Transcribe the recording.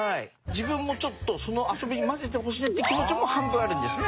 自分もちょっとその遊びに交ぜてほしいなっていう気持ちも半分あるんですね